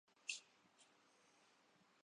یہ احساس غالب ہے کہ توپ سے مچھر مارے جا رہے ہیں۔